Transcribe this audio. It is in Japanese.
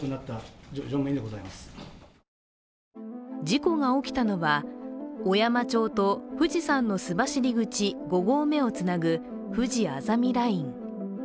事故が起きたのは小山町と富士山の須走口五合目をつなぐふじあざみライン。